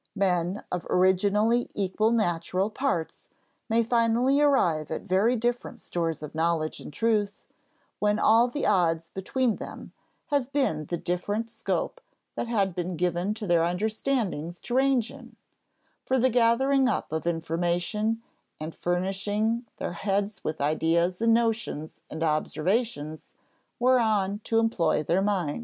Men of originally equal natural parts may finally arrive at very different stores of knowledge and truth, "when all the odds between them has been the different scope that has been given to their understandings to range in, for the gathering up of information and furnishing their heads with ideas and notions and observations, whereon to employ their mind."